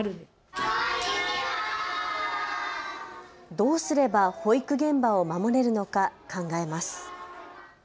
どうすれば保育現場を守れるのか考えます。